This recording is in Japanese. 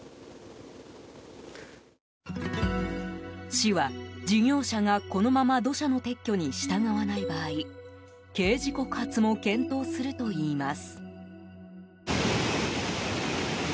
市は、事業者がこのまま土砂の撤去に従わない場合刑事告発も検討するといいます。